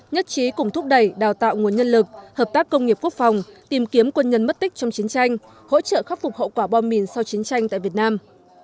nhất trí cùng thúc đẩy đào tạo nguồn nhân lực hợp tác công nghiệp quốc phòng tìm kiếm quân nhân mất tích trong chiến tranh hỗ trợ khắc phục hậu quả bom mìn sau chiến tranh tại việt nam